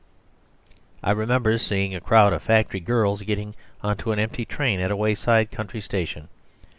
I remember seeing a crowd of factory girls getting into an empty train at a wayside country station.